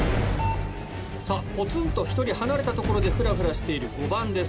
さぁぽつんと１人離れた所でふらふらしている５番です。